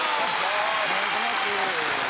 お願いします。